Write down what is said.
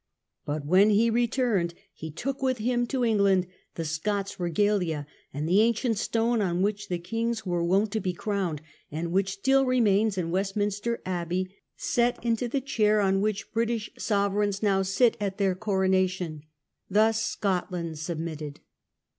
But when he returned he took with him to England the Scots regalia^ and the ancient stone on which the kings were wont to be crowned, and which still re mains in Westminster Abbey, set into the chair on which British sovereigns now sit at their coronation. Thus Scot land submitted.